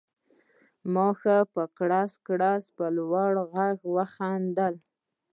ما ښه په کړس کړس په لوړ غږ وخندل